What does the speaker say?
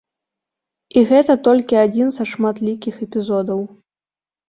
І гэта толькі адзін са шматлікіх эпізодаў.